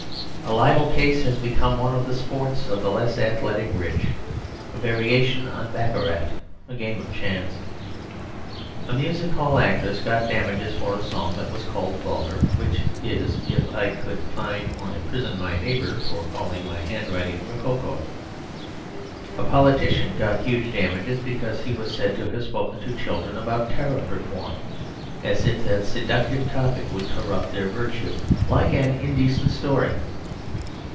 A libel case has become one of the sports of the less athletic rich a variation on baccarat, a game of chance. A music hall actress got damages for a song that was called "vulgar," which is as if I could fine or imprison my neighbour for calling my handwriting "rococo." A politician got huge damages because he was said to have spoken to children about Tariff Reform; as if that seductive topic would corrupt their virtue, like an indecent story.